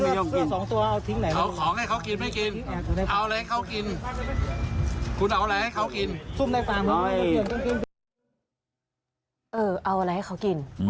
เอาอะไรให้เขากิน